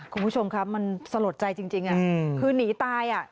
คุณผู้ชมครับมันสลดใจจริงคือหนีตายอ่ะ